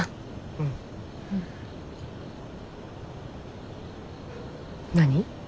うん。何？